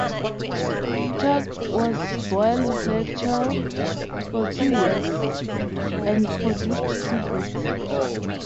Clarke was Boyle lecturer for two years, and produced two books.